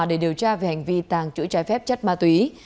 để điều tra về hành vi tàng trữ trái phép chất ma túy